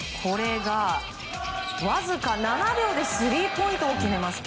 わずか７秒でスリーポイントを決めます。